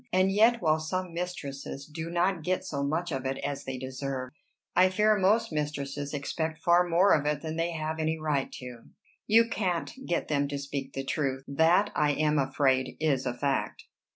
And yet while some mistresses do not get so much of it as they deserve, I fear most mistresses expect far more of it than they have any right to." "You can't get them to speak the truth." "That I am afraid is a fact."